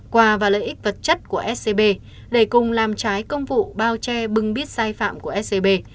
quà và lợi ích vật chất của scb để cùng làm trái công vụ bao che bưng bít sai phạm của scb